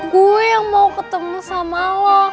gue yang mau ketemu sama lo